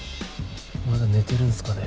まだ寝てるんすかね。